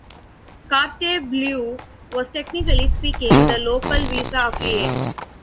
Carte Bleue was, technically speaking, the local Visa affiliate.